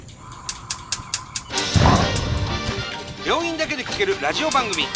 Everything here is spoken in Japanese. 病院だけで聴けるラジオ番組。